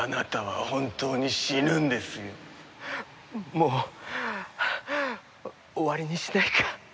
もう終わりにしないか？